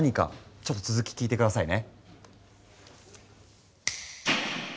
ちょっと続き聞いて下さいね。